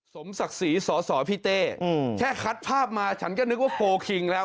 สมศักดิ์ศรีสอสอพี่เต้แค่คัดภาพมาฉันก็นึกว่าโฟลคิงแล้ว